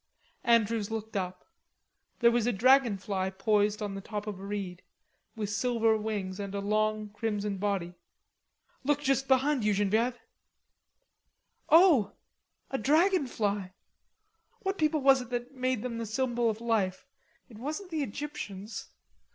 Andrews looked up. There was a dragon fly poised on the top of a reed, with silver wings and a long crimson body. "Look just behind you, Genevieve." "Oh, a dragon fly! What people was it that made them the symbol of life? It wasn't the Egyptians.